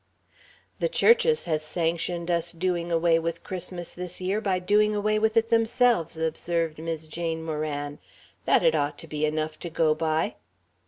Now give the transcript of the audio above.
"The churches has sanctioned us doing away with Christmas this year by doing away with it themselves," observed Mis' Jane Moran. "That'd ought to be enough to go by."